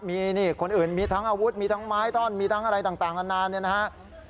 มีคนอื่นมีทั้งอาวุธมีทั้งไม้ต้นมีทั้งอะไรต่างอันนั้นนะครับ